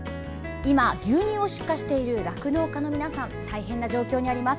今、牛乳を出荷している酪農家の皆さん大変な状況にあります。